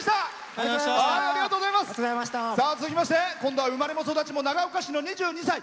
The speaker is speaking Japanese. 続きまして生まれも育ちも長岡市の２２歳。